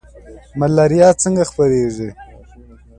ملاریا څنګه خپریږي؟